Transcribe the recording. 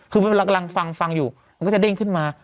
คือเรากำลังฟังฟังอยู่มันก็จะเด้งขึ้นมา